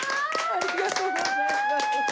ありがとうございます。